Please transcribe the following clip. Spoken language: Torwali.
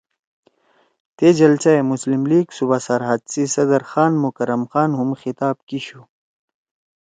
تے جلسہ ئے مسلم لیگ صوبہ سرحد سی صدر خان مکرم خان ہُم خطاب کیِشُو